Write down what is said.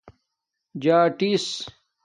جاٹس